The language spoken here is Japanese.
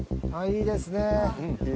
いいですね。